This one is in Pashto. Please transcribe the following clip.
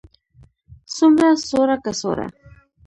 څومره, څوړه، کڅوړه